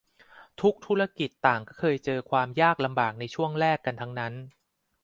ทุกธุรกิจต่างก็เคยเจอความยากลำบากในช่วงแรกกันทั้งนั้น